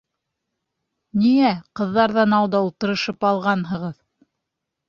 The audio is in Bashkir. Ниңә ҡыҙҙарҙан алда ултырышып алғанһығыҙ?